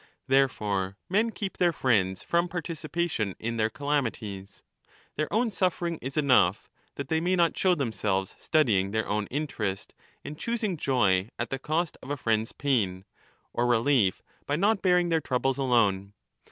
Therefore men keep their friends from participation in their calamities; their own suffering is enough, that they may 1246^ not show themselves studying their own interest, and choosing joy at the cost of a friend's pain, or relief by not bearing their troubles alone.